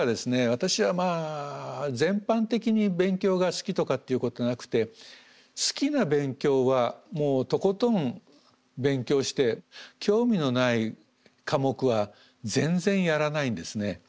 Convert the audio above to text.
私はまあ全般的に勉強が好きとかっていうことはなくて好きな勉強はもうとことん勉強して興味のない科目は全然やらないんですね。